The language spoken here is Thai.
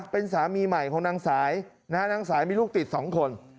เป็นสามีใหม่ของนางสายนะฮะนางสายมีลูกติด๒คน